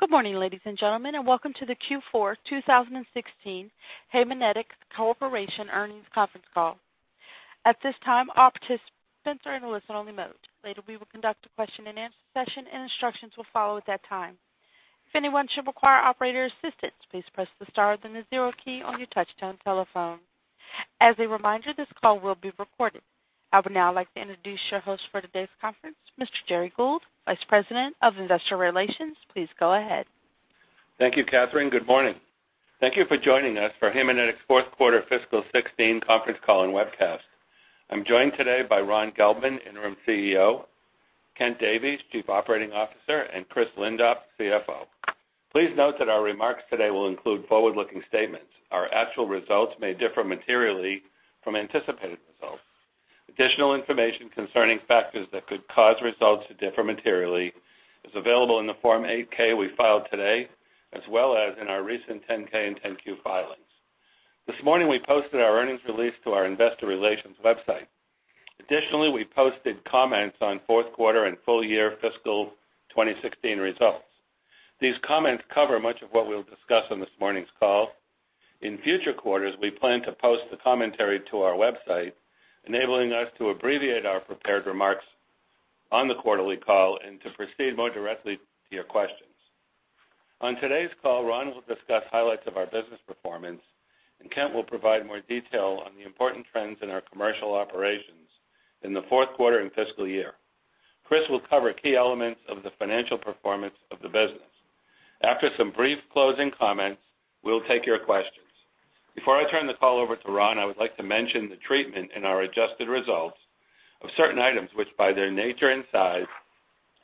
Good morning, ladies and gentlemen, and welcome to the Q4 2016 Haemonetics Corporation earnings conference call. At this time, all participants are in a listen-only mode. Later, we will conduct a question and answer session, and instructions will follow at that time. If anyone should require operator assistance, please press the star, then the zero key on your touchtone telephone. As a reminder, this call will be recorded. I would now like to introduce your host for today's conference, Mr. Gerry Gould, Vice President of Investor Relations. Please go ahead. Thank you, Catherine. Good morning. Thank you for joining us for Haemonetics' fourth quarter fiscal 2016 conference call and webcast. I'm joined today by Ron Gelman, Interim CEO, Kent Davies, Chief Operating Officer, and Chris Lindop, CFO. Please note that our remarks today will include forward-looking statements. Our actual results may differ materially from anticipated results. Additional information concerning factors that could cause results to differ materially is available in the Form 8-K we filed today, as well as in our recent 10-K and 10-Q filings. This morning, we posted our earnings release to our Investor Relations website. We posted comments on fourth quarter and full year fiscal 2016 results. These comments cover much of what we'll discuss on this morning's call. In future quarters, we plan to post the commentary to our website, enabling us to abbreviate our prepared remarks on the quarterly call and to proceed more directly to your questions. On today's call, Ron will discuss highlights of our business performance, and Kent will provide more detail on the important trends in our commercial operations in the fourth quarter and fiscal year. Chris will cover key elements of the financial performance of the business. After some brief closing comments, we'll take your questions. Before I turn the call over to Ron, I would like to mention the treatment in our adjusted results of certain items, which, by their nature and size,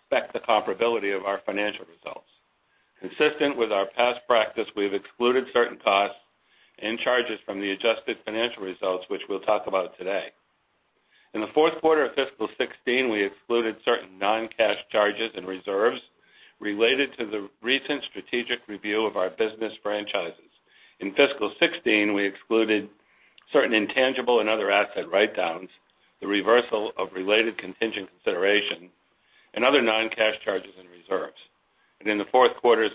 affect the comparability of our financial results. Consistent with our past practice, we've excluded certain costs and charges from the adjusted financial results, which we'll talk about today. In the fourth quarter of fiscal 2016, we excluded certain non-cash charges and reserves related to the recent strategic review of our business franchises. In fiscal 2016, we excluded certain intangible and other asset write-downs, the reversal of related contingent consideration, and other non-cash charges and reserves. In the fourth quarters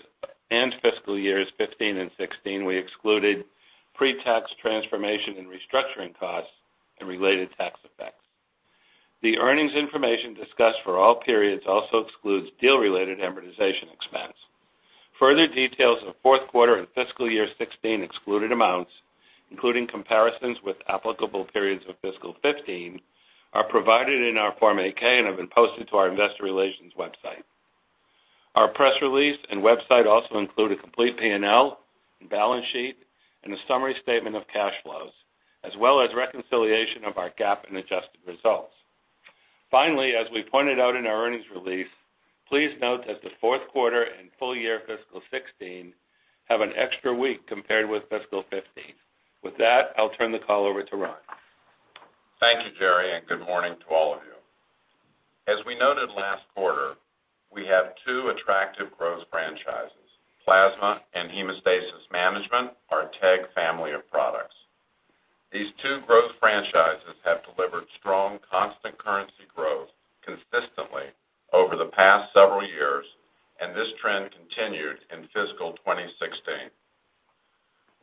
and fiscal years 2015 and 2016, we excluded pre-tax transformation and restructuring costs and related tax effects. The earnings information discussed for all periods also excludes deal-related amortization expense. Further details of fourth quarter and fiscal year 2016 excluded amounts, including comparisons with applicable periods of fiscal 2015, are provided in our Form 8-K and have been posted to our Investor Relations website. Our press release and website also include a complete P&L and balance sheet, and a summary statement of cash flows, as well as reconciliation of our GAAP and adjusted results. Finally, as we pointed out in our earnings release, please note that the fourth quarter and full year fiscal 2016 have an extra week compared with fiscal 2015. With that, I'll turn the call over to Ron. Thank you, Gerry, good morning to all of you. As we noted last quarter, we have two attractive growth franchises, plasma and hemostasis management, our TEG family of products. These two growth franchises have delivered strong constant currency growth consistently over the past several years. This trend continued in fiscal 2016.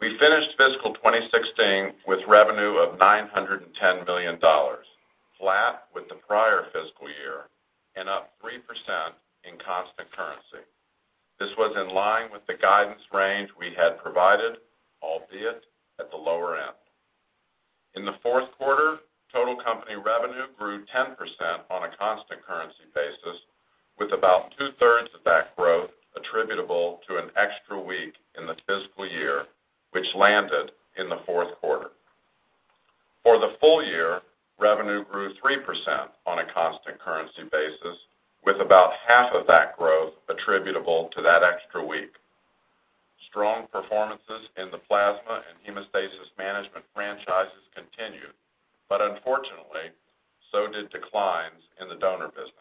We finished fiscal 2016 with revenue of $910 million, flat with the prior fiscal year, and up 3% in constant currency. This was in line with the guidance range we had provided, albeit at the lower end. In the fourth quarter, total company revenue grew 10% on a constant currency basis, with about two-thirds of that growth attributable to an extra week in the fiscal year, which landed in the fourth quarter. For the full year, revenue grew 3% on a constant currency basis, with about half of that growth attributable to that extra week. Strong performances in the plasma and hemostasis management franchises continued. Unfortunately, so did declines in the donor business.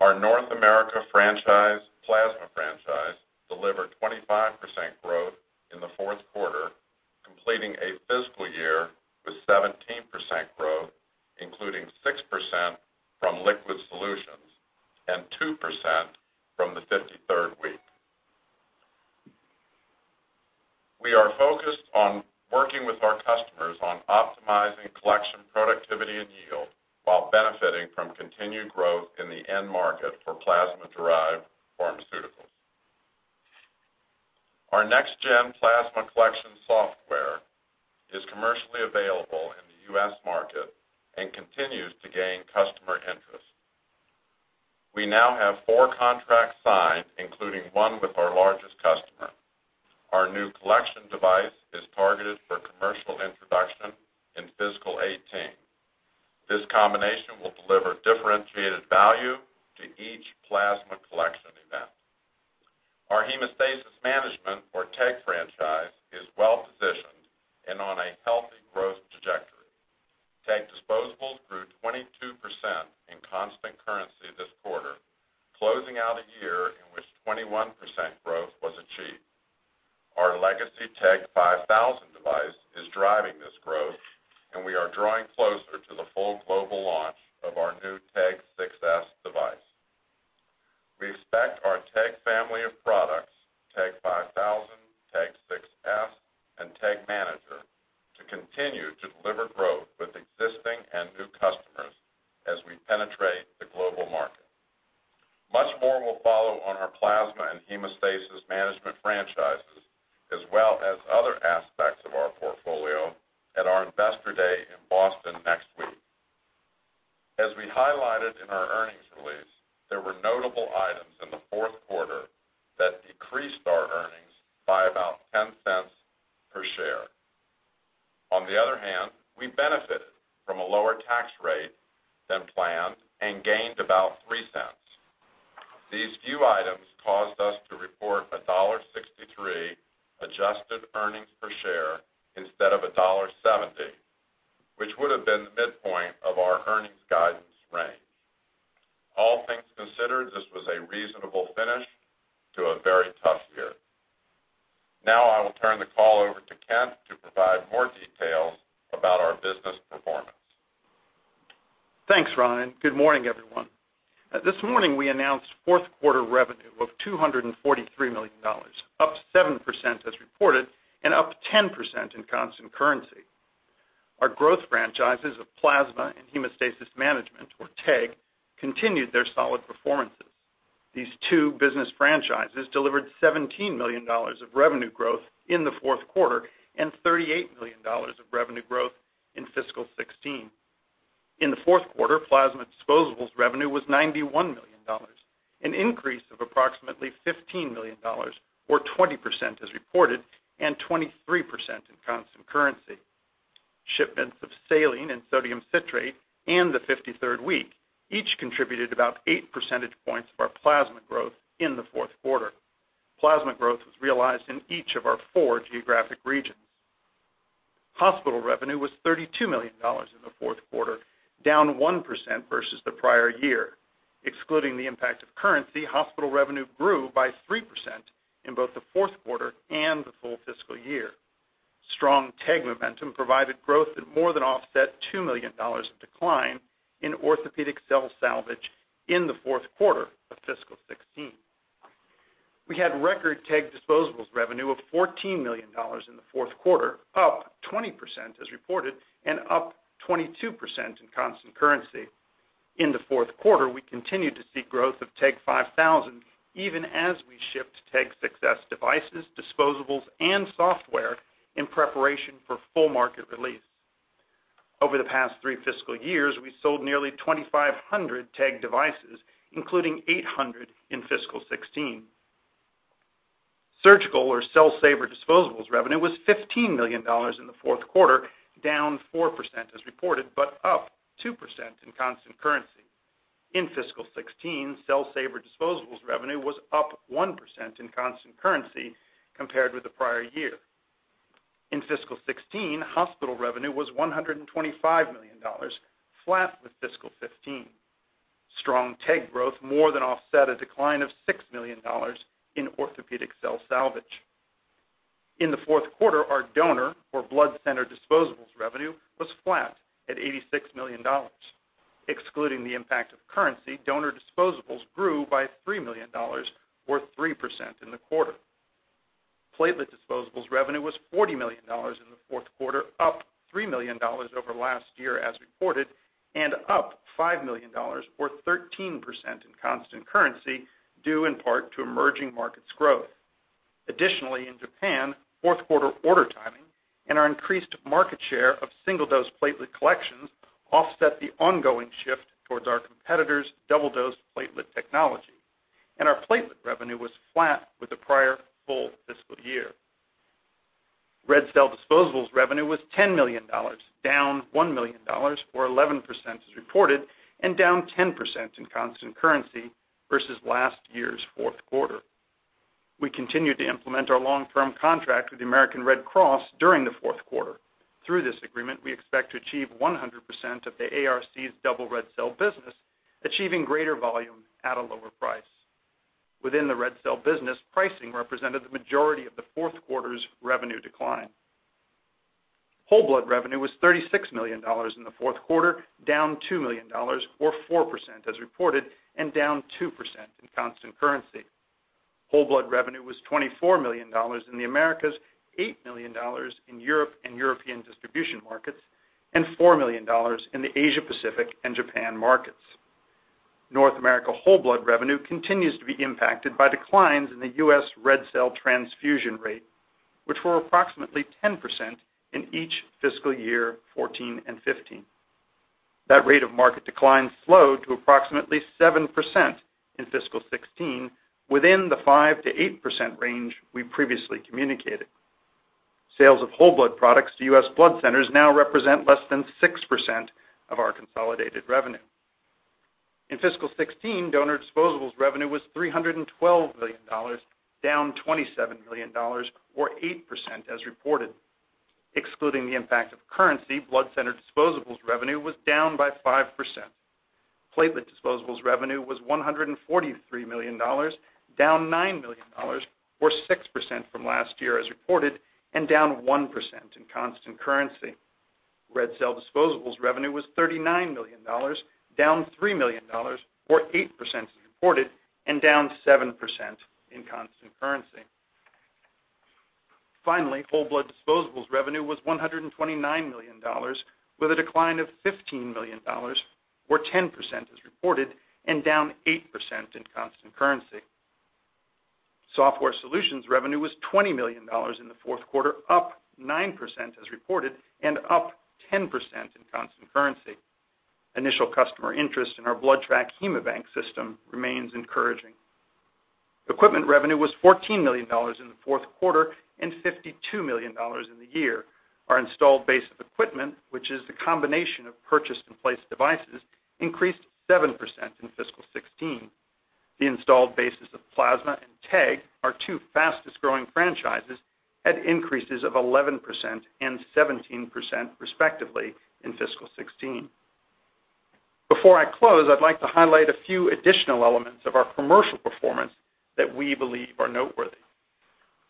Our North America franchise, plasma franchise, delivered 25% growth in the fourth quarter, completing a fiscal year with 17% growth, including 6% from liquid solutions and 2% from the 53rd week. We are focused on working with our customers on optimizing collection productivity and yield while benefiting from continued growth in the end market for plasma-derived pharmaceuticals. Our next-gen plasma collection software is commercially available in the U.S. market and continues to gain customer interest. We now have four contracts signed, including one with our largest customer. Our new collection device is targeted for commercial introduction in fiscal 2018. This combination will deliver differentiated value to each plasma collection event. Our hemostasis management or TEG franchise is well-positioned and on a healthy growth trajectory. TEG disposables grew 22% in constant currency this quarter, closing out a year in which 21% growth was achieved. Our legacy TEG 5000 device is driving this growth. We are drawing closer to the full global launch of our new TEG 6s device. We expect our TEG family of products, TEG 5000, TEG 6s, and TEG Manager, to continue to deliver growth with existing and new customers as we penetrate the global market. Much more will follow on our plasma and hemostasis management franchises, as well as other aspects of our portfolio at our investor day in Boston next week. As we highlighted in our earnings release, there were notable items in the fourth quarter that decreased our earnings by about $0.10 per share. On the other hand, we benefited from a lower tax rate than planned and gained about $0.03. These few items caused us to report a $1.63 adjusted earnings per share instead of $1.70, which would have been the midpoint of our earnings guidance range. All things considered, this was a reasonable finish to a very tough year. Now I will turn the call over to Kent to provide more details about our business performance. Thanks, Ron, good morning, everyone. This morning, we announced fourth quarter revenue of $243 million, up 7% as reported and up 10% in constant currency. Our growth franchises of Plasma and Hemostasis Management, or TEG, continued their solid performances. These two business franchises delivered $17 million of revenue growth in the fourth quarter and $38 million of revenue growth in fiscal 2016. In the fourth quarter, plasma disposables revenue was $91 million, an increase of approximately $15 million, or 20% as reported and 23% in constant currency. Shipments of saline and sodium citrate and the 53rd week each contributed about eight percentage points of our plasma growth in the fourth quarter. Plasma growth was realized in each of our four geographic regions. Hospital revenue was $32 million in the fourth quarter, down 1% versus the prior year. Excluding the impact of currency, hospital revenue grew by 3% in both the fourth quarter and the full fiscal year. Strong TEG momentum provided growth that more than offset $2 million of decline in orthopedic Cell Saver in the fourth quarter of fiscal 2016. We had record TEG disposables revenue of $14 million in the fourth quarter, up 20% as reported and up 22% in constant currency. In the fourth quarter, we continued to see growth of TEG 5000 even as we shipped TEG 6s devices, disposables, and software in preparation for full market release. Over the past three fiscal years, we sold nearly 2,500 TEG devices, including 800 in fiscal 2016. Surgical or Cell Saver disposables revenue was $15 million in the fourth quarter, down 4% as reported, up 2% in constant currency. In fiscal 2016, Cell Saver disposables revenue was up 1% in constant currency compared with the prior year. In fiscal 2016, hospital revenue was $125 million, flat with fiscal 2015. Strong TEG growth more than offset a decline of $6 million in orthopedic Cell Saver. In the fourth quarter, our donor or blood center disposables revenue was flat at $86 million. Excluding the impact of currency, donor disposables grew by $3 million, or 3% in the quarter. Platelet disposables revenue was $40 million in the fourth quarter, up $3 million over last year as reported, and up $5 million or 13% in constant currency, due in part to emerging markets growth. Additionally, in Japan, fourth quarter order timing and our increased market share of single-dose platelet collections offset the ongoing shift towards our competitor's double-dose platelet technology, our platelet revenue was flat with the prior full fiscal year. Red cell disposables revenue was $10 million, down $1 million or 11% as reported, and down 10% in constant currency versus last year's fourth quarter. We continued to implement our long-term contract with the American Red Cross during the fourth quarter. Through this agreement, we expect to achieve 100% of the ARC's double red cell business, achieving greater volume at a lower price. Within the red cell business, pricing represented the majority of the fourth quarter's revenue decline. Whole blood revenue was $36 million in the fourth quarter, down $2 million or 4% as reported and down 2% in constant currency. Whole blood revenue was $24 million in the Americas, $8 million in Europe and European distribution markets, and $4 million in the Asia-Pacific and Japan markets. North America whole blood revenue continues to be impacted by declines in the U.S. red cell transfusion rate, which were approximately 10% in each fiscal year 2014 and 2015. That rate of market decline slowed to approximately 7% in fiscal year 2016, within the 5%-8% range we previously communicated. Sales of whole blood products to U.S. blood centers now represent less than 6% of our consolidated revenue. In fiscal year 2016, donor disposables revenue was $312 million, down $27 million or 8% as reported. Excluding the impact of currency, blood center disposables revenue was down by 5%. Platelet disposables revenue was $143 million, down $9 million or 6% from last year as reported, and down 1% in constant currency. Red cell disposables revenue was $39 million, down $3 million or 8% as reported, and down 7% in constant currency. Finally, whole blood disposables revenue was $129 million, with a decline of $15 million or 10% as reported and down 8% in constant currency. Software solutions revenue was $20 million in the fourth quarter, up 9% as reported and up 10% in constant currency. Initial customer interest in our BloodTrack HaemoBank system remains encouraging. Equipment revenue was $14 million in the fourth quarter and $52 million in the year. Our installed base of equipment, which is the combination of purchased and placed devices, increased 7% in fiscal year 2016. The installed bases of plasma and TEG, our two fastest-growing franchises, had increases of 11% and 17%, respectively, in fiscal year 2016. Before I close, I'd like to highlight a few additional elements of our commercial performance that we believe are noteworthy.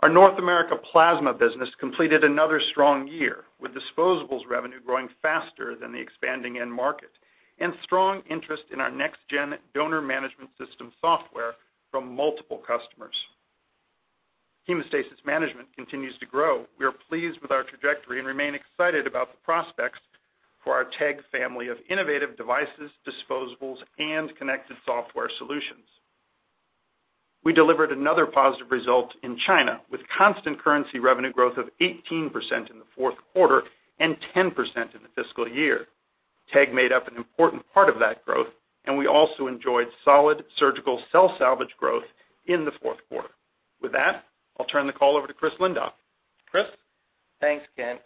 Our North America plasma business completed another strong year, with disposables revenue growing faster than the expanding end market and strong interest in our next-gen donor management system software from multiple customers. Hemostasis management continues to grow. We are pleased with our trajectory and remain excited about the prospects for our TEG family of innovative devices, disposables, and connected software solutions. We delivered another positive result in China, with constant currency revenue growth of 18% in the fourth quarter and 10% in the fiscal year. TEG made up an important part of that growth, and we also enjoyed solid surgical cell salvage growth in the fourth quarter. With that, I'll turn the call over to Chris Lindop. Chris? Thanks, Kent.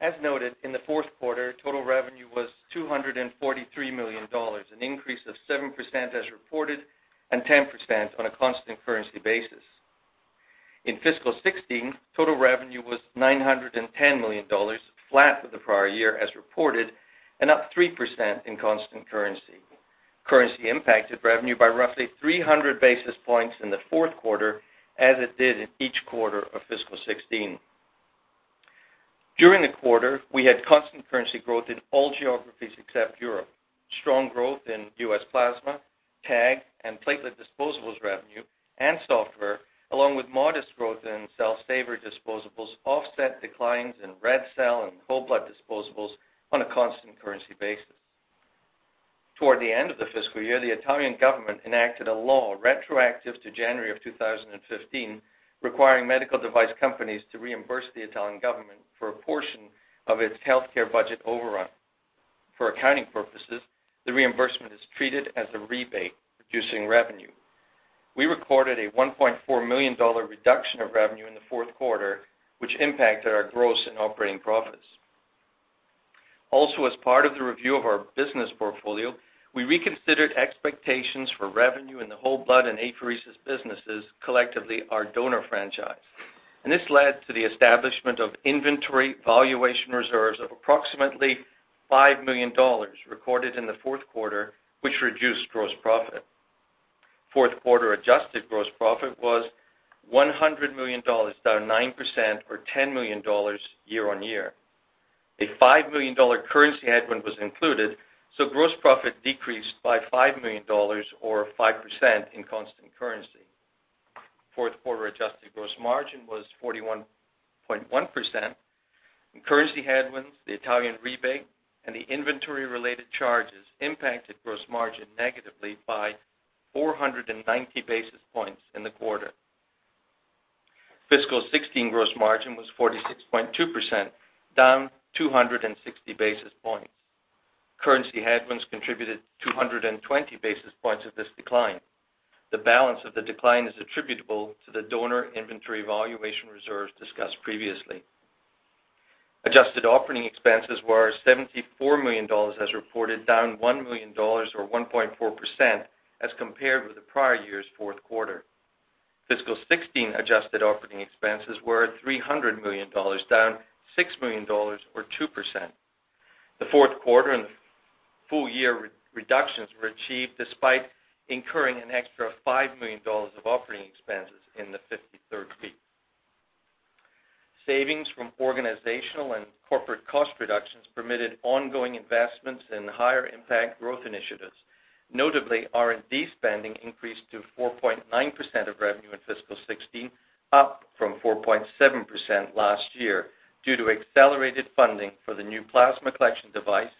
As noted, in the fourth quarter, total revenue was $243 million, an increase of 7% as reported and 10% on a constant currency basis. In fiscal 2016, total revenue was $910 million, flat with the prior year as reported and up 3% in constant currency. Currency impacted revenue by roughly 300 basis points in the fourth quarter, as it did in each quarter of fiscal 2016. During the quarter, we had constant currency growth in all geographies except Europe. Strong growth in U.S. plasma, TEG, and platelet disposables revenue and software, along with modest growth in Cell Saver disposables offset declines in red cell and whole blood disposables on a constant currency basis. Toward the end of the fiscal year, the Italian government enacted a law retroactive to January of 2015, requiring medical device companies to reimburse the Italian government for a portion of its healthcare budget overrun. For accounting purposes, the reimbursement is treated as a rebate, reducing revenue. We recorded a $1.4 million reduction of revenue in the fourth quarter, which impacted our gross and operating profits. Also, as part of the review of our business portfolio, we reconsidered expectations for revenue in the whole blood and apheresis businesses, collectively our donor franchise, and this led to the establishment of inventory valuation reserves of approximately $5 million recorded in the fourth quarter, which reduced gross profit. Fourth quarter adjusted gross profit was $100 million, down 9% or $10 million year-on-year. A $5 million currency headwind was included, so gross profit decreased by $5 million or 5% in constant currency. Fourth quarter adjusted gross margin was 41.1%, and currency headwinds, the Italian rebate, and the inventory-related charges impacted gross margin negatively by 490 basis points in the quarter. Fiscal 2016 gross margin was 46.2%, down 260 basis points. Currency headwinds contributed 220 basis points of this decline. The balance of the decline is attributable to the donor inventory valuation reserves discussed previously. Adjusted operating expenses were $74 million as reported, down $1 million or 1.4% as compared with the prior year's fourth quarter. Fiscal 2016 adjusted operating expenses were at $300 million, down $6 million or 2%. The fourth quarter and the full-year reductions were achieved despite incurring an extra $5 million of operating expenses in the 53rd week. Savings from organizational and corporate cost reductions permitted ongoing investments in higher impact growth initiatives. Notably, R&D spending increased to 4.9% of revenue in fiscal 2016, up from 4.7% last year, due to accelerated funding for the new plasma collection device,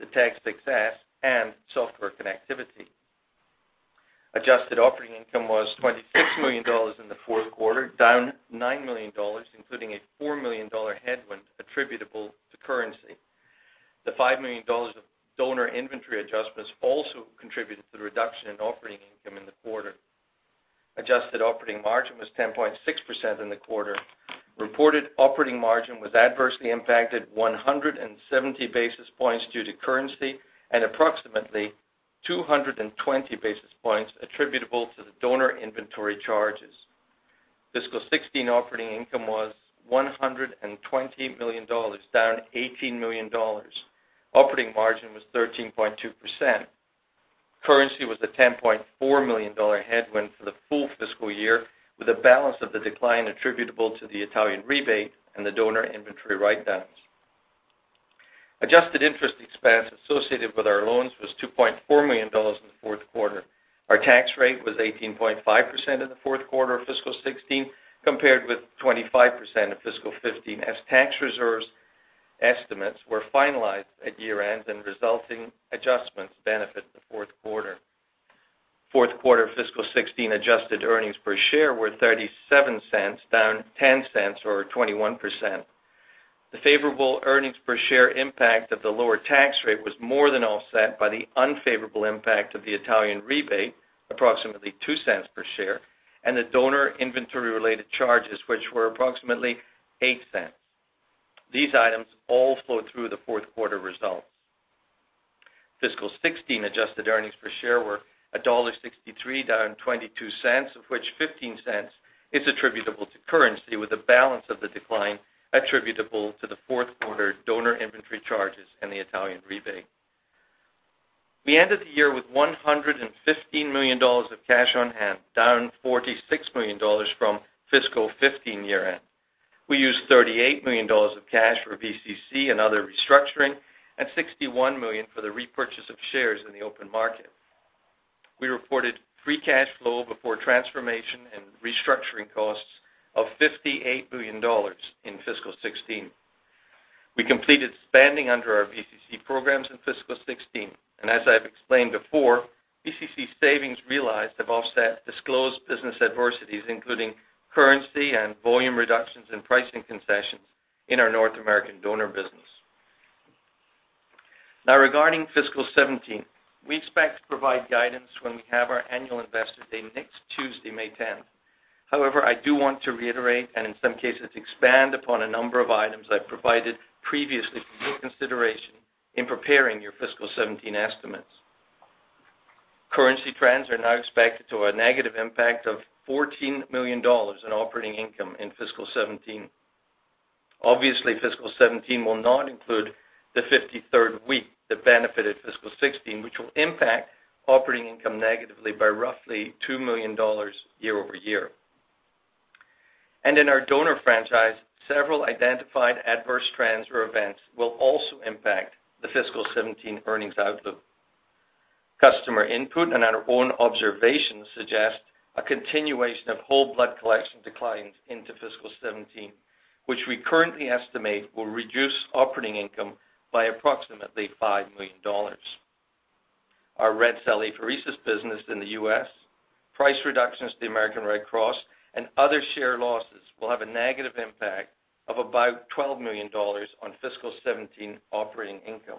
the TEG 6s, and software connectivity. Adjusted operating income was $26 million in the fourth quarter, down $9 million, including a $4 million headwind attributable to currency. The $5 million of donor inventory adjustments also contributed to the reduction in operating income in the quarter. Adjusted operating margin was 10.6% in the quarter. Reported operating margin was adversely impacted 170 basis points due to currency and approximately 220 basis points attributable to the donor inventory charges. Fiscal 2016 operating income was $120 million, down $18 million. Operating margin was 13.2%. Currency was a $10.4 million headwind for the full fiscal year, with the balance of the decline attributable to the Italian rebate and the donor inventory write-downs. Adjusted interest expense associated with our loans was $2.4 million in the fourth quarter. Our tax rate was 18.5% in the fourth quarter of fiscal 2016, compared with 25% in fiscal 2015, as tax reserves estimates were finalized at year-end and resulting adjustments benefit the fourth quarter. Fourth quarter fiscal 2016 adjusted earnings per share were $0.37, down $0.10 or 21%. The favorable earnings per share impact of the lower tax rate was more than offset by the unfavorable impact of the Italian rebate, approximately $0.02 per share, and the donor inventory-related charges, which were approximately $0.08. These items all flow through the fourth quarter results. Fiscal 2016 adjusted earnings per share were $1.63, down $0.22, of which $0.15 is attributable to currency, with the balance of the decline attributable to the fourth quarter donor inventory charges and the Italian rebate. We ended the year with $115 million of cash on hand, down $46 million from fiscal 2015 year-end. We used $38 million of cash for VCC and other restructuring and $61 million for the repurchase of shares in the open market. We reported free cash flow before transformation and restructuring costs of $58 million in fiscal 2016. As I've explained before, VCC savings realized have offset disclosed business adversities, including currency and volume reductions in pricing concessions in our North American donor business. Regarding fiscal 2017, we expect to provide guidance when we have our annual Investor Day next Tuesday, May 10th. However, I do want to reiterate, and in some cases, expand upon a number of items I've provided previously for your consideration in preparing your fiscal 2017 estimates. Currency trends are now expected to a negative impact of $14 million in operating income in fiscal 2017. Obviously, fiscal 2017 will not include the 53rd week that benefited fiscal 2016, which will impact operating income negatively by roughly $2 million year-over-year. In our donor franchise, several identified adverse trends or events will also impact the fiscal 2017 earnings outlook. Customer input and our own observations suggest a continuation of whole blood collection declines into fiscal 2017, which we currently estimate will reduce operating income by approximately $5 million. Our red cell apheresis business in the U.S., price reductions to the American Red Cross, and other share losses will have a negative impact of about $12 million on fiscal 2017 operating income.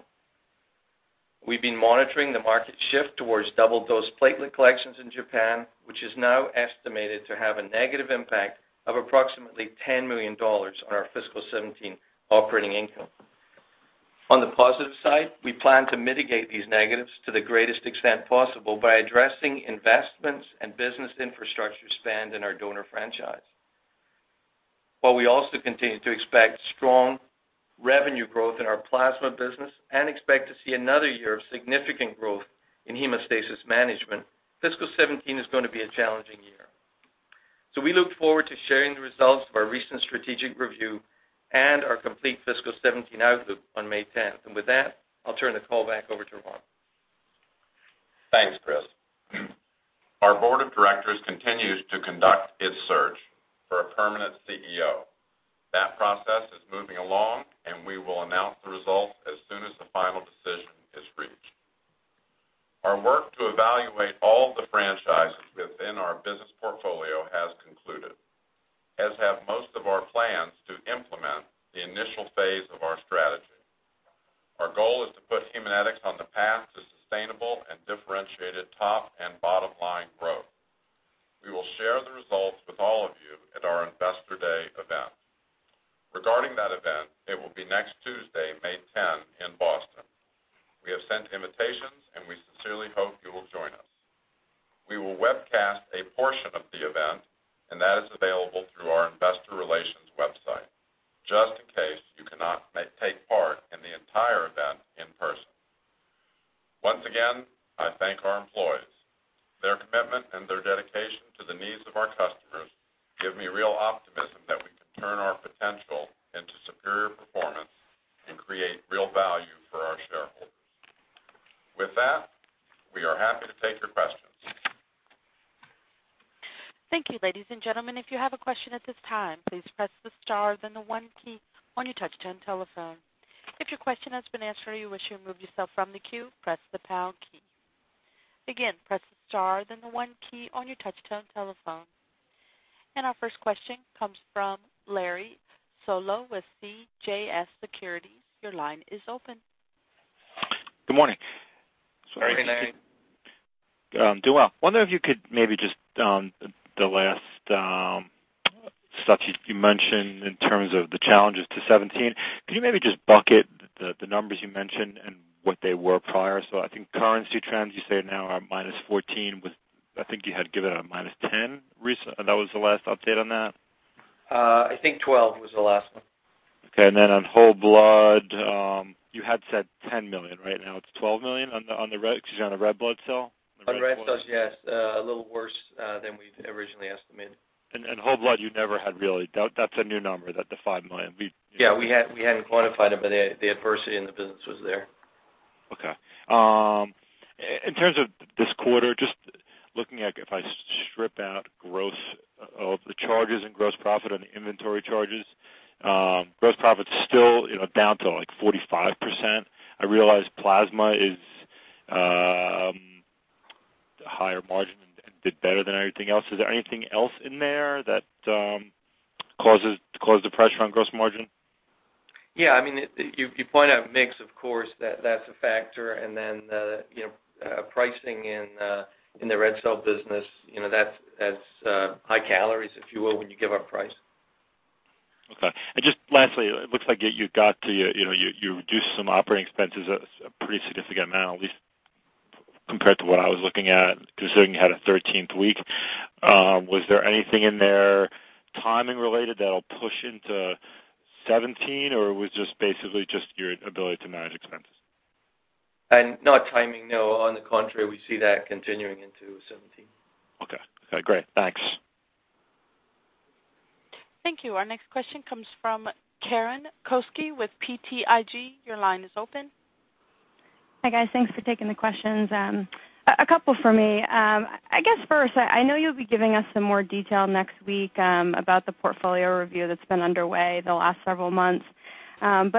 We've been monitoring the market shift towards double dose platelet collections in Japan, which is now estimated to have a negative impact of approximately $10 million on our fiscal 2017 operating income. On the positive side, we plan to mitigate these negatives to the greatest extent possible by addressing investments and business infrastructure spend in our donor franchise. While we also continue to expect strong revenue growth in our plasma business and expect to see another year of significant growth in hemostasis management, fiscal 2017 is going to be a challenging year. We look forward to sharing the results of our recent strategic review and our complete fiscal 2017 outlook on May 10th. With that, I'll turn the call back over to Ron. Thanks, Chris. Our board of directors continues to conduct its search for a permanent CEO. That process is moving along. We will announce the results as soon as the final decision is reached. Our work to evaluate all the franchises within our business portfolio has concluded, as have most of our plans to implement the initial phase of our strategy. Our goal is to put Haemonetics on the path to sustainable and differentiated top and bottom-line growth. We will share the results with all of you at our Investor Day event. Regarding that event, it will be next Tuesday, May 10, in Boston. We have sent invitations. We sincerely hope you will join us. We will webcast a portion of the event. That is available through our investor relations website, just in case you cannot take part in the entire event in person. Once again, I thank our employees. Their commitment and their dedication to the needs of our customers give me real optimism that we can turn our potential into superior performance and create real value for our shareholders. With that, we are happy to take your questions. Thank you, ladies and gentlemen. If you have a question at this time, please press the star then the one key on your touch-tone telephone. If your question has been answered or you wish to remove yourself from the queue, press the pound key. Again, press star then the one key on your touch-tone telephone. Our first question comes from Larry Solow with CJS Securities. Your line is open. Good morning. Good morning, Larry. Doing well. Wondering if you could maybe just, the last Stuff you mentioned in terms of the challenges to 2017, could you maybe just bucket the numbers you mentioned and what they were prior? I think currency trends you say now are -14 with, I think you had given a -10 that was the last update on that? I think 12 was the last one. Okay. On whole blood, you had said $10 million, right now it's $12 million on the red blood cell? On red cells, yes. A little worse than we'd originally estimated. Whole blood, you never had. That's a new number, the $5 million. Yeah, we hadn't quantified it, the adversity in the business was there. Okay. In terms of this quarter, just looking at if I strip out the charges and gross profit on the inventory charges, gross profit's still down to like 45%. I realize plasma is higher margin and did better than everything else. Is there anything else in there that caused the pressure on gross margin? Yeah. You point out mix, of course, that's a factor. Pricing in the red cell business, that's high calories, if you will, when you give up price. Okay. Just lastly, it looks like you reduced some operating expenses, a pretty significant amount, at least compared to what I was looking at, considering you had a 13th week. Was there anything in there timing related that'll push into 2017 or was just basically your ability to manage expenses? Not timing, no. On the contrary, we see that continuing into 2017. Okay. Great. Thanks. Thank you. Our next question comes from Karen Kosowski with BTIG. Your line is open. Hi, guys. Thanks for taking the questions. A couple for me. I guess first, I know you'll be giving us some more detail next week about the portfolio review that's been underway the last several months. How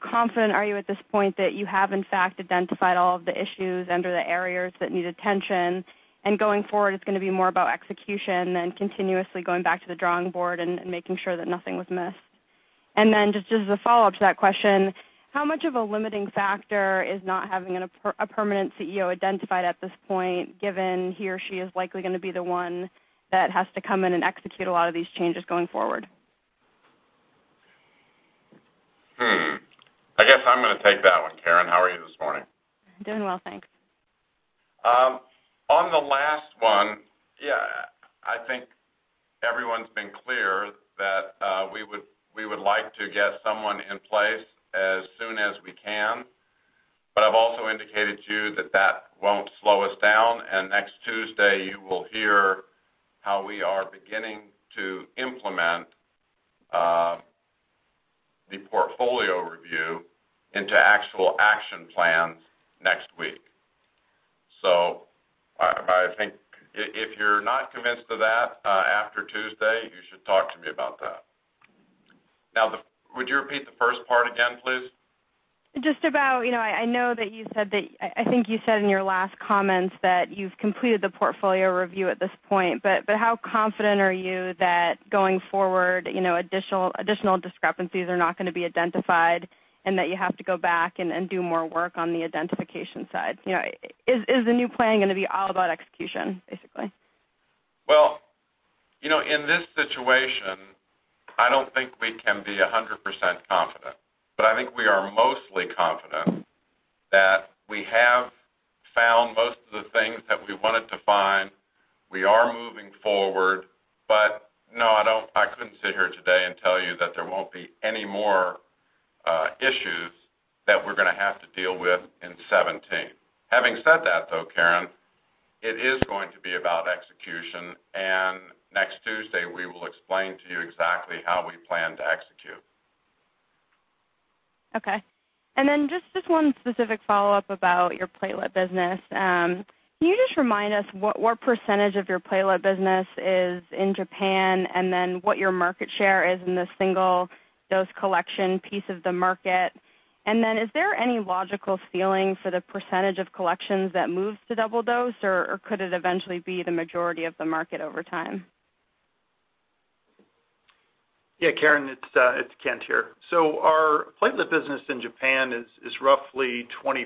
confident are you at this point that you have in fact identified all of the issues under the areas that need attention and going forward, it's going to be more about execution than continuously going back to the drawing board and making sure that nothing was missed? Then just as a follow-up to that question, how much of a limiting factor is not having a permanent CEO identified at this point, given he or she is likely going to be the one that has to come in and execute a lot of these changes going forward? I guess I'm going to take that one. Karen, how are you this morning? Doing well, thanks. On the last one, yeah, I think everyone's been clear that we would like to get someone in place as soon as we can, but I've also indicated to you that that won't slow us down, and next Tuesday you will hear how we are beginning to implement the portfolio review into actual action plans next week. I think if you're not convinced of that after Tuesday, you should talk to me about that. Now, would you repeat the first part again, please? I think you said in your last comments that you've completed the portfolio review at this point, but how confident are you that going forward, additional discrepancies are not going to be identified and that you have to go back and do more work on the identification side? Is the new plan going to be all about execution, basically? In this situation, I don't think we can be 100% confident, but I think we are mostly confident that we have found most of the things that we wanted to find. We are moving forward. No, I couldn't sit here today and tell you that there won't be any more issues that we're going to have to deal with in 2017. Having said that though, Karen, it is going to be about execution, and next Tuesday, we will explain to you exactly how we plan to execute. Okay. Just one specific follow-up about your platelet business. Can you just remind us what percentage of your platelet business is in Japan and then what your market share is in the single-dose collection piece of the market? Is there any logical ceiling for the percentage of collections that moves to double dose, or could it eventually be the majority of the market over time? Yeah, Karen, it's Kent here. Our platelet business in Japan is roughly 25%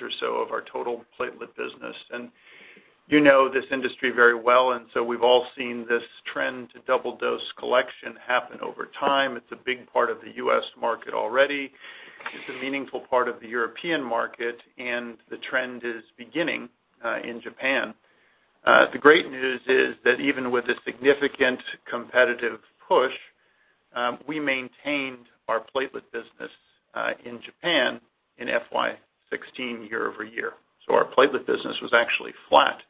or so of our total platelet business. You know this industry very well, we've all seen this trend to double dose collection happen over time. It's a big part of the U.S. market already. It's a meaningful part of the European market, and the trend is beginning in Japan. The great news is that even with a significant competitive push, we maintained our platelet business in Japan in FY 2016 year-over-year. Our platelet business was actually flat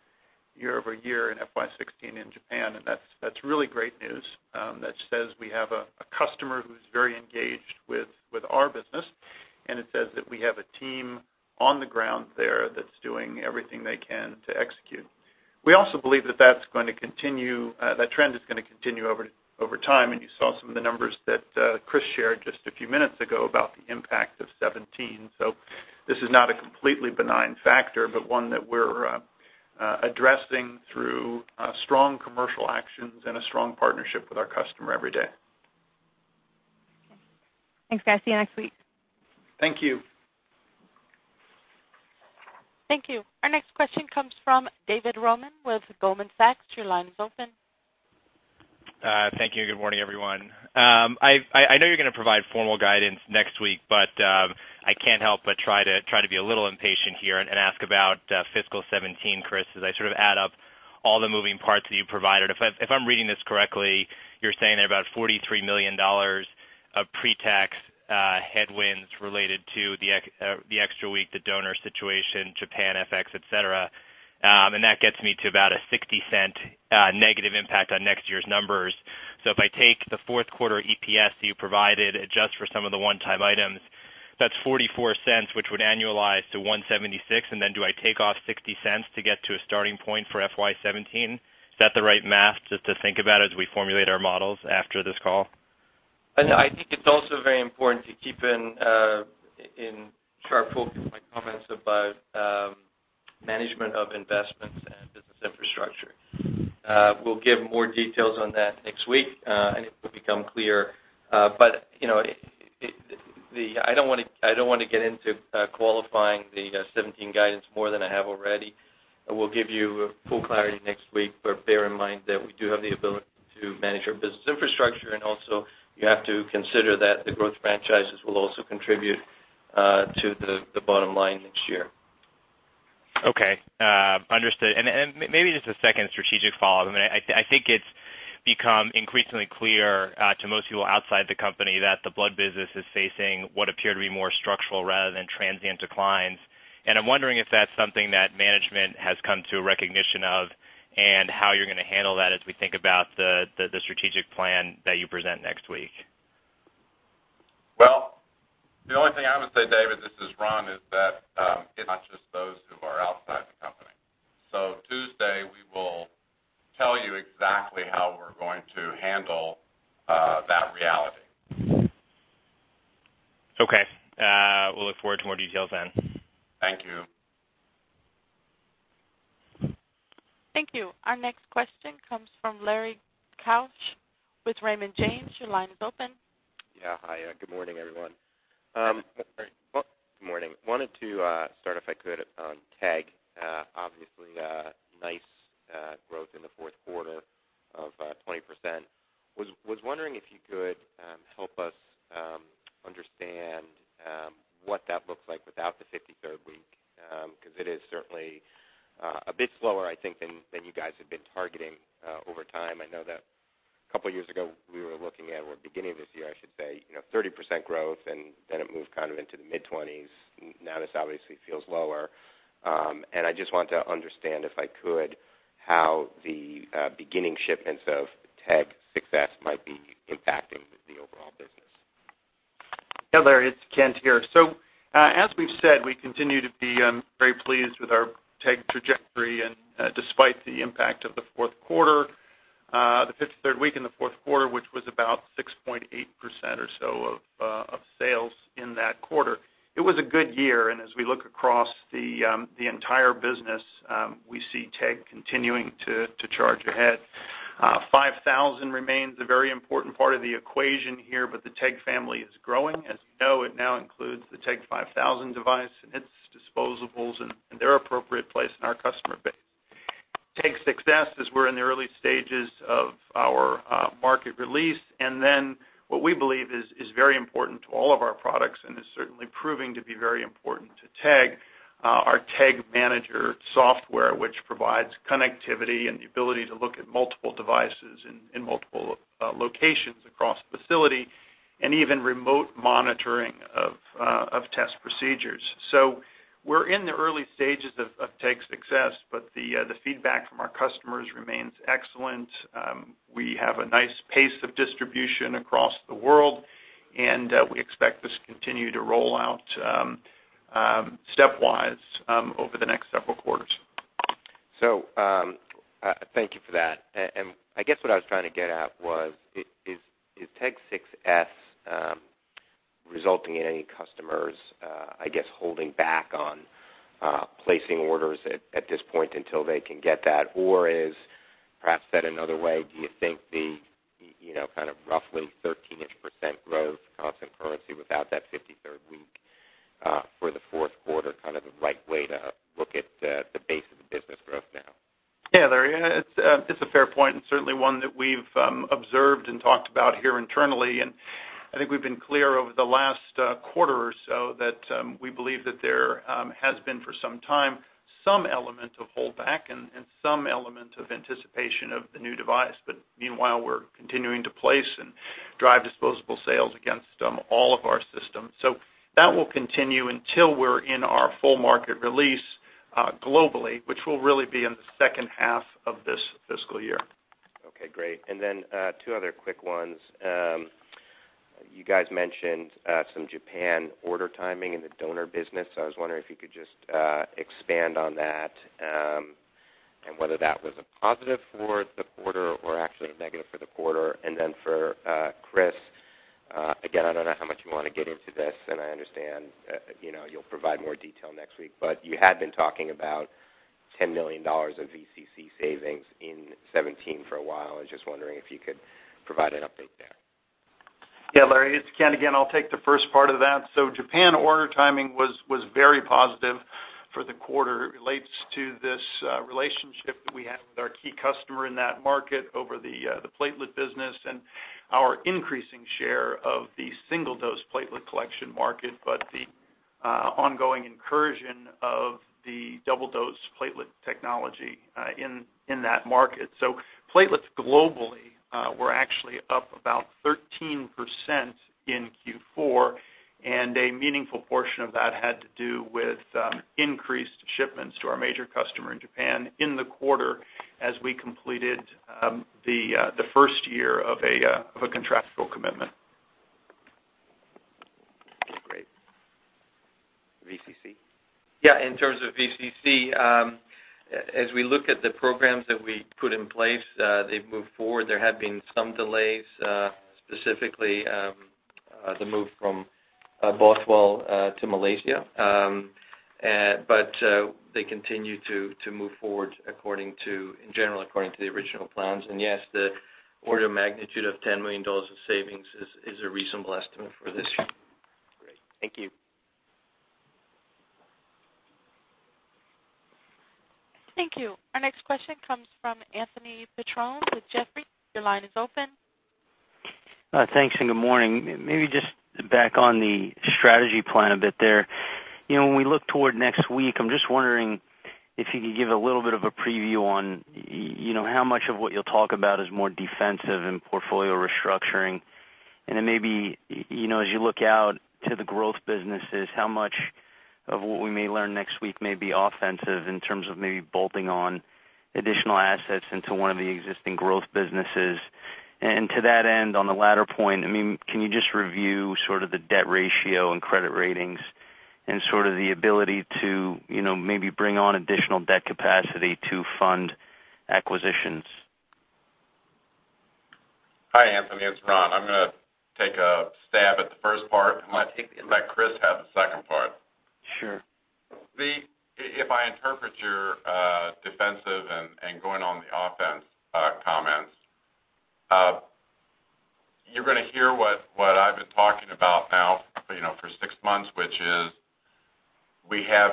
year-over-year in FY 2016 in Japan, and that's really great news. That says we have a customer who's very engaged with our business, and it says that we have a team on the ground there that's doing everything they can to execute. We also believe that trend is going to continue over time, and you saw some of the numbers that Chris shared just a few minutes ago about the impact of 2017. This is not a completely benign factor, but one that we're addressing through strong commercial actions and a strong partnership with our customer every day. Okay. Thanks, guys. See you next week. Thank you Thank you. Our next question comes from David Roman with Goldman Sachs. Your line is open. Thank you. Good morning, everyone. I know you're going to provide formal guidance next week. I can't help but try to be a little impatient here and ask about fiscal 2017, Chris, as I add up all the moving parts that you provided. If I'm reading this correctly, you're saying there are about $43 million of pre-tax headwinds related to the extra week, the donor situation, Japan, FX, et cetera. That gets me to about a $0.60 negative impact on next year's numbers. If I take the fourth quarter EPS you provided, adjust for some of the one-time items, that's $0.44, which would annualize to $1.76. Then do I take off $0.60 to get to a starting point for FY 2017? Is that the right math just to think about as we formulate our models after this call? I think it's also very important to keep in sharp focus my comments about management of investments and business infrastructure. We'll give more details on that next week. It will become clearer. I don't want to get into qualifying the 2017 guidance more than I have already. We'll give you full clarity next week. Bear in mind that we do have the ability to manage our business infrastructure, and also you have to consider that the growth franchises will also contribute to the bottom line next year. Okay, understood. Maybe just a second strategic follow-up. I think it's become increasingly clear to most people outside the company that the blood business is facing what appear to be more structural rather than transient declines. I'm wondering if that's something that management has come to a recognition of and how you're going to handle that as we think about the strategic plan that you present next week. Well, the only thing I would say, David, this is Ron, is that it's not just those who are outside the company. Tuesday, we will tell you exactly how we're going to handle that reality. Okay. We'll look forward to more details then. Thank you. Thank you. Our next question comes from Lawrence Keusch with Raymond James. Your line is open. Yeah. Hi, good morning, everyone. Wanted to start, if I could, on TEG. Obviously, nice growth in the fourth quarter of 20%. Was wondering if you could help us understand what that looks like without the 53rd week. It is certainly a bit slower, I think, than you guys have been targeting over time. I know that a couple of years ago, we were looking at, or beginning of this year, I should say, 30% growth, and then it moved into the mid-20s. Now this obviously feels lower. I just want to understand, if I could, how the beginning shipments of TEG 6s might be impacting the overall business. Yeah, Larry, it's Kent here. As we've said, we continue to be very pleased with our TEG trajectory and despite the impact of the fourth quarter, the 53rd week in the fourth quarter, which was about 6.8% or so of sales in that quarter. It was a good year, as we look across the entire business, we see TEG continuing to charge ahead. 5,000 remains a very important part of the equation here, but the TEG family is growing. As you know, it now includes the TEG 5000 device and its disposables and their appropriate place in our customer base. TEG 6s, as we're in the early stages of our market release, and then what we believe is very important to all of our products and is certainly proving to be very important to TEG, our TEG Manager software, which provides connectivity and the ability to look at multiple devices in multiple locations across the facility and even remote monitoring of test procedures. We're in the early stages of TEG 6s, but the feedback from our customers remains excellent. We have a nice pace of distribution across the world, and we expect this to continue to roll out stepwise over the next several quarters. Thank you for that. I guess what I was trying to get at was, is TEG 6s resulting in any customers, I guess, holding back on placing orders at this point until they can get that? Is, perhaps said another way, do you think the roughly 13-ish % growth constant currency without that 53rd week for the fourth quarter the right way to look at the base of the business growth now? Yeah, Larry, it's a fair point and certainly one that we've observed and talked about here internally. I think we've been clear over the last quarter or so that we believe that there has been, for some time, some element of holdback and some element of anticipation of the new device. Meanwhile, we're continuing to place and drive disposable sales against all of our systems. That will continue until we're in our full market release globally, which will really be in the second half of this fiscal year. Great. Two other quick ones. You guys mentioned some Japan order timing in the donor business. I was wondering if you could just expand on that and whether that was a positive for the quarter or actually a negative for the quarter. For Chris, again, I don't know how much you want to get into this, and I understand you'll provide more detail next week, but you had been talking about $10 million of VCC savings in 2017 for a while. I was just wondering if you could provide an update there. Yeah, Larry, it's Kent again. I'll take the first part of that. Japan order timing was very positive for the quarter. It relates to this relationship that we have with our key customer in that market over the platelet business and our increasing share of the single-dose platelet collection market, but the ongoing incursion of the double-dose platelet technology in that market. Platelets globally were actually up about 13% in Q4, and a meaningful portion of that had to do with increased shipments to our major customer in Japan in the quarter as we completed the first year of a contractual commitment. Great. VCC? Yeah. In terms of VCC, as we look at the programs that we put in place, they've moved forward. There have been some delays, specifically, the move from Bothwell to Malaysia. They continue to move forward in general, according to the original plans. Yes, the order of magnitude of $10 million of savings is a reasonable estimate for this year. Great. Thank you. Thank you. Our next question comes from Anthony Petrone with Jefferies. Your line is open. Thanks and good morning. Just back on the strategy plan a bit there. When we look toward next week, I'm just wondering if you could give a little bit of a preview on how much of what you'll talk about is more defensive and portfolio restructuring. As you look out to the growth businesses, how much of what we may learn next week may be offensive in terms of maybe bolting on additional assets into one of the existing growth businesses? To that end, on the latter point, can you just review sort of the debt ratio and credit ratings and sort of the ability to maybe bring on additional debt capacity to fund acquisitions? Hi, Anthony. It's Ron. I'm going to take a stab at the first part and let Chris have the second part. Sure. If I interpret your defensive and going on the offense comments, you're going to hear what I've been talking about now for six months, which is we have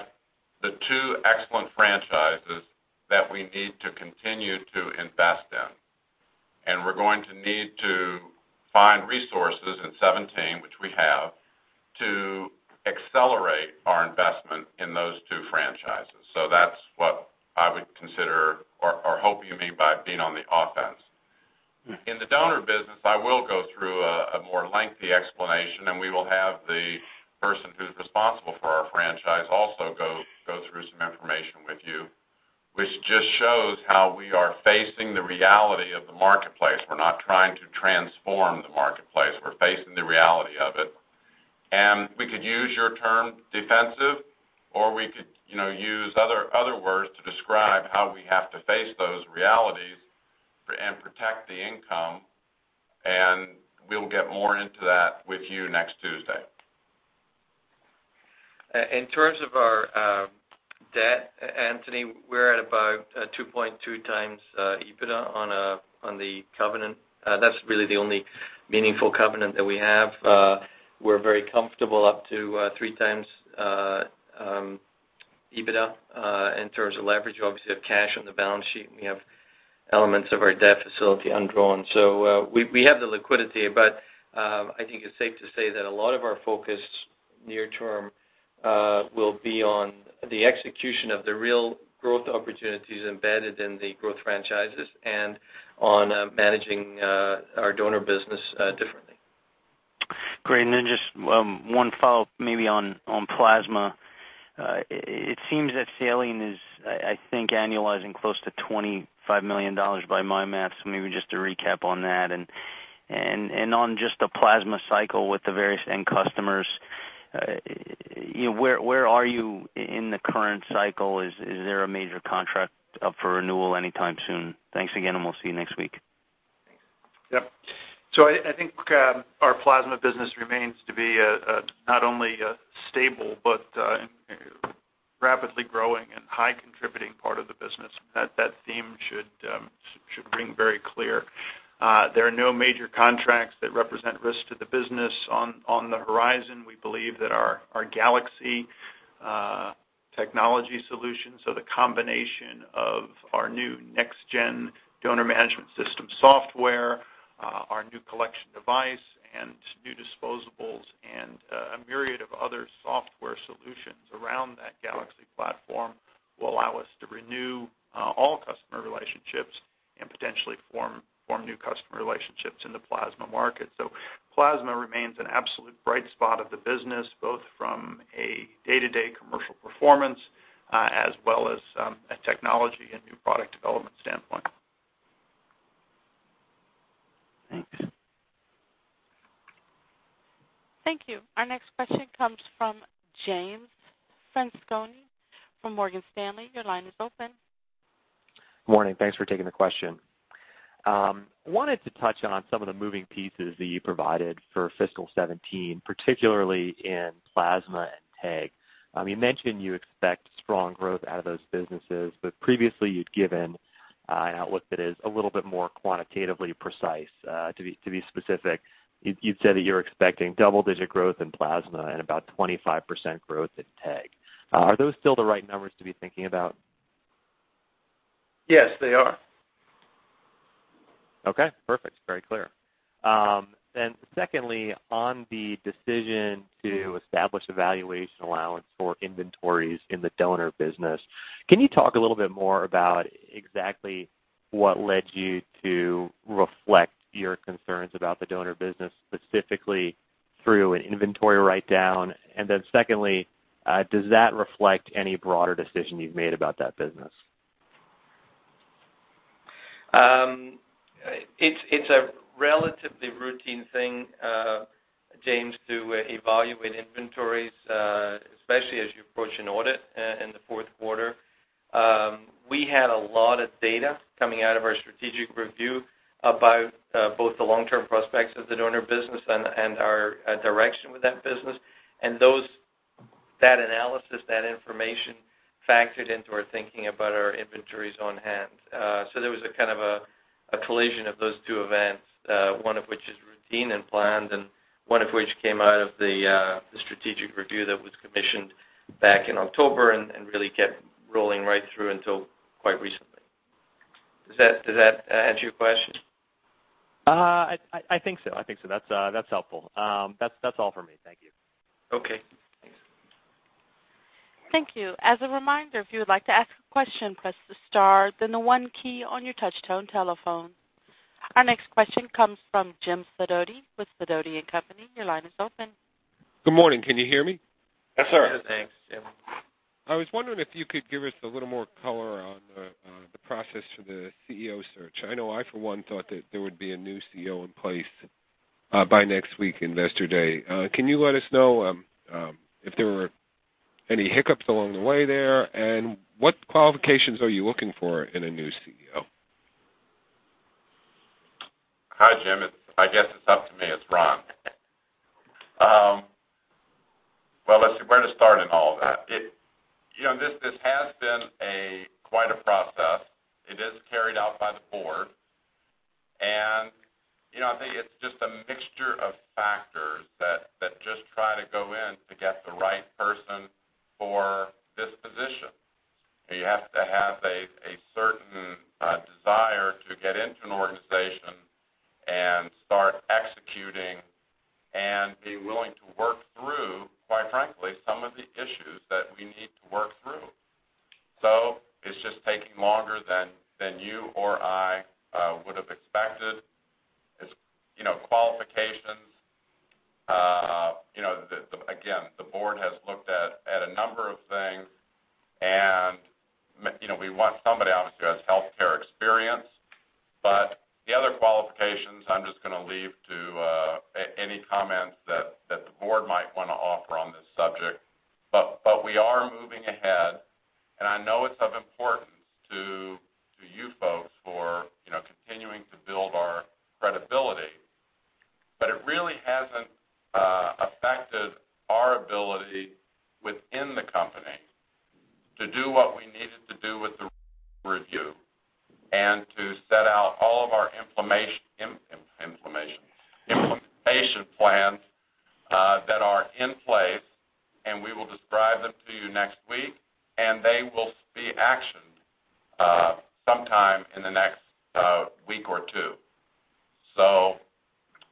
the two excellent franchises that we need to continue to invest in, and we're going to need to find resources in 2017, which we have, to accelerate our investment in those two franchises. That's what I would consider or hope you mean by being on the offense. In the donor business, I will go through a more lengthy explanation, and we will have the person who's responsible for our franchise also go through some information with you, which just shows how we are facing the reality of the marketplace. We're not trying to transform the marketplace. We're facing the reality of it. We could use your term defensive, or we could use other words to describe how we have to face those realities and protect the income, and we'll get more into that with you next Tuesday. In terms of our debt, Anthony, we're at about 2.2 times EBITDA on the covenant. That's really the only meaningful covenant that we have. We're very comfortable up to three times EBITDA in terms of leverage. Obviously, we have cash on the balance sheet, and we have elements of our debt facility undrawn. We have the liquidity, but I think it's safe to say that a lot of our focus near-term will be on the execution of the real growth opportunities embedded in the growth franchises and on managing our donor business differently. Great. Just one follow-up maybe on plasma. It seems that saline is, I think, annualizing close to $25 million by my math. Maybe just to recap on that and on just the plasma cycle with the various end customers, where are you in the current cycle? Is there a major contract up for renewal anytime soon? Thanks again, and we'll see you next week. Yep. I think our plasma business remains to be not only stable but rapidly growing and high contributing part of the business. That theme should ring very clear. There are no major contracts that represent risk to the business on the horizon. We believe that our Galaxie technology solutions, the combination of our new next-gen donor management system software, our new collection device and new disposables, and a myriad of other software solutions around that Galaxie platform will allow us to renew all customer relationships and potentially form new customer relationships in the plasma market. Plasma remains an absolute bright spot of the business, both from a day-to-day commercial performance as well as a technology and new product development standpoint. Thanks. Thank you. Our next question comes from James Francesconi from Morgan Stanley. Your line is open. Morning. Thanks for taking the question. Wanted to touch on some of the moving pieces that you provided for fiscal 2017, particularly in plasma and TEG. Previously you'd given an outlook that is a little bit more quantitatively precise. To be specific, you'd said that you're expecting double-digit growth in plasma and about 25% growth in TEG. Are those still the right numbers to be thinking about? Yes, they are. Okay, perfect. Very clear. Secondly, on the decision to establish a valuation allowance for inventories in the donor business, can you talk a little bit more about exactly what led you to reflect your concerns about the donor business, specifically through an inventory write-down? Secondly, does that reflect any broader decision you've made about that business? It's a relatively routine thing, James, to evaluate inventories, especially as you approach an audit in the fourth quarter. We had a lot of data coming out of our strategic review about both the long-term prospects of the donor business and our direction with that business. That analysis, that information factored into our thinking about our inventories on hand. There was a collision of those two events, one of which is routine and planned, and one of which came out of the strategic review that was commissioned back in October and really kept rolling right through until quite recently. Does that answer your question? I think so. That's helpful. That's all for me. Thank you. Okay. Thanks. Thank you. As a reminder, if you would like to ask a question, press the star, then the one key on your touch tone telephone. Our next question comes from Jim Sidoti with Sidoti & Company. Your line is open. Good morning. Can you hear me? Yes, sir. Yes. Thanks, Jim. I was wondering if you could give us a little more color on the process for the CEO search. I know I, for one, thought that there would be a new CEO in place by next week's Investor Day. Can you let us know if there were any hiccups along the way there? What qualifications are you looking for in a new CEO? Hi, Jim. If I guess it's up to me, it's Ron. Well, let's see, where to start in all of that? This has been quite a process. It is carried out by the board, and I think it's just a mixture of factors that just try to go in to get the right person for this position. You have to have a certain desire to get into an organization and start executing and be willing to work through, quite frankly, some of the issues that we need to work through. It's just taking longer than you or I would've expected. As qualifications, again, the board has looked at a number of things, and we want somebody, obviously, who has healthcare experience, but the other qualifications, I'm just going to leave to any comments that the board might want to offer on this subject. We are moving ahead, and I know it's of importance to you folks for continuing to build our credibility. It really hasn't affected our ability within the company to do what we needed to do with the review and to set out all of our implementation plans that are in place, and we will describe them to you next week, and they will be actioned sometime in the next week or two.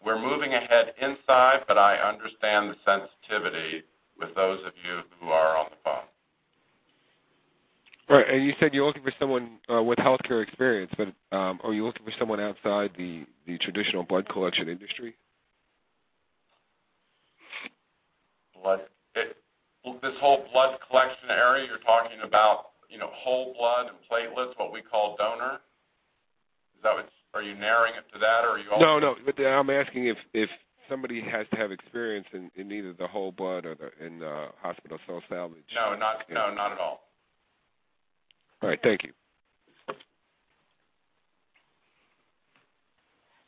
We're moving ahead inside, but I understand the sensitivity with those of you who are on the phone. Right. You said you're looking for someone with healthcare experience, but are you looking for someone outside the traditional blood collection industry? This whole blood collection area you're talking about, whole blood and platelets, what we call donor? Are you narrowing it to that? No. I'm asking if somebody has to have experience in either the whole blood or in the hospital cell salvage. No, not at all. All right. Thank you.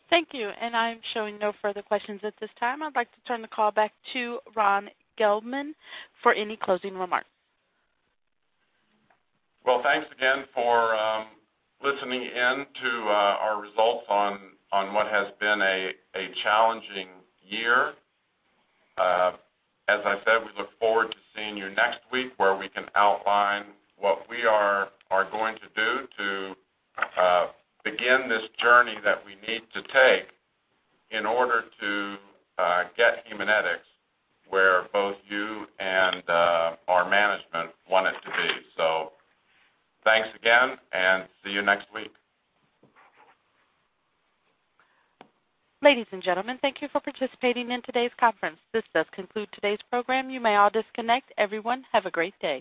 Thank you. I'm showing no further questions at this time. I'd like to turn the call back to Ron Gelman for any closing remarks. Well, thanks again for listening in to our results on what has been a challenging year. As I said, we look forward to seeing you next week, where we can outline what we are going to do to begin this journey that we need to take in order to get Haemonetics where both you and our management want it to be. Thanks again, and see you next week. Ladies and gentlemen, thank you for participating in today's conference. This does conclude today's program. You may all disconnect. Everyone, have a great day.